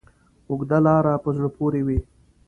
اوږده لاره په زړه پورې وي.